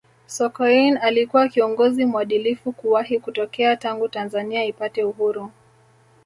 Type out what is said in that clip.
sokoine alikuwa kiongozi mwadilifu kuwahi kutokea tangu tanzania ipate uhuru